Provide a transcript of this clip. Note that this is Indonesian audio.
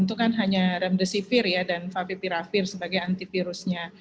itu kan hanya remdesivir dan favipiravir sebagai antivirusnya